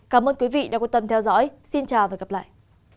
cảm ơn quý vị đã quan tâm theo dõi xin chào và hẹn gặp lại